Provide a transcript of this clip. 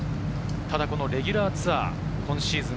レギュラーツアー、今シーズン